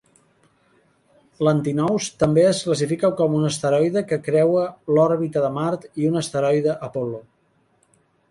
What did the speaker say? L'"Antinous" també es classifica com un asteroide que creua l'òrbita de Mart i un asteroide Apol·lo.